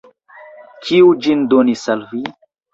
Kiu ĝin donis al vi?